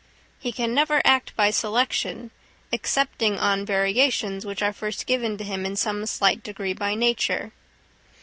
He can never act by selection, excepting on variations which are first given to him in some slight degree by nature.